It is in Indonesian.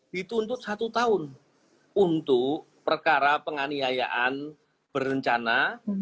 dituntut satu tahun untuk perkara penganiayaan berencana